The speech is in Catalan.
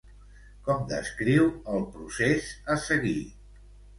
Com descriu el procés a seguir?